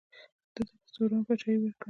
ده ته به د سوډان پاچهي ورکړي.